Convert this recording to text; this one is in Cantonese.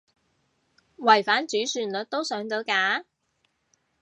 違反主旋律都上到架？